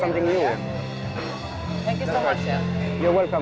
untuk inspirasi dan mungkin untuk pemakaman